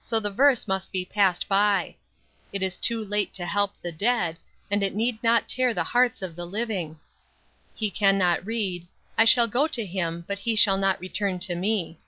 So the verse must be passed by. It is too late to help the dead, and it need not tear the hearts of the living. He can not read, "I shall go to him, but he shall not return to me."